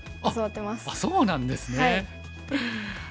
あっそうなんですね。